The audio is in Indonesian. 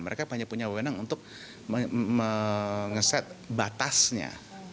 mereka hanya punya wewenang untuk mengeset batasnya